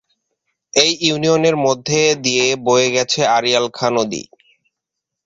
এই ইউনিয়নের মধ্য দিয়ে বয়ে গেছে আড়িয়াল খাঁ নদী।